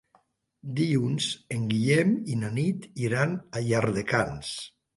Dilluns en Guillem i na Nit iran a Llardecans.